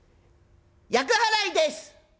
厄払いです！